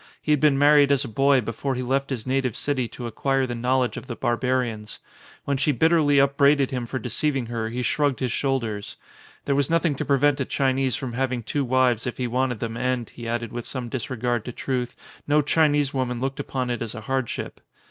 He had been married as a boy" before he left his native city to acquire the knowl edge of the barbarians. When she bitterly up braided him for deceiving her he shrugged his shoulders. There was nothing to prevent a Chi nese from having two wives if he wanted them and, he added with some disregard to truth, no Chinese woman looked upOn it as a hardship.